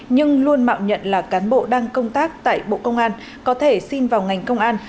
nhưng luôn mạo nhận là cán bộ đang công tác tại bộ công an có thể xin vào ngành công an